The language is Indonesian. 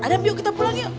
adam yuk kita pulang yuk